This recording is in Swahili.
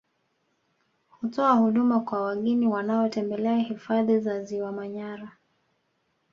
Hutoa huduma kwa wageni wanaotembelea hifadhi ya Ziwa Manyara